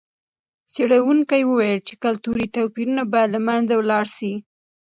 څېړونکي وویل چې کلتوري توپیرونه باید له منځه ولاړ سي.